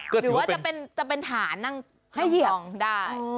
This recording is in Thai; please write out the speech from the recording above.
หรือว่าจะเป็นถ่านั่งดังฟองได้